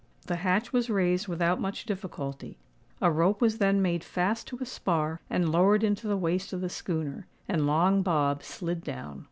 The hatch was raised without much difficulty: a rope was then made fast to a spar and lowered into the waist of the schooner; and Long Bob slid down.